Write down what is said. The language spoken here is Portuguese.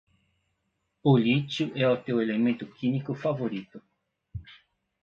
O lítio é o teu elemento químico favorito